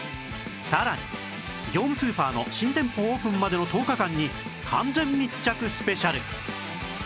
さらに業務スーパーの新店舗オープンまでの１０日間に完全密着スペシャル